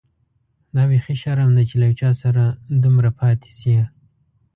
دا بيخي شرم دی چي له یو چا سره دومره پاتې شې.